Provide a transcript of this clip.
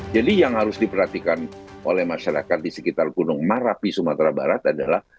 jadi yang harus diperhatikan oleh masyarakat di sekitar gunung marapi sumatera barat adalah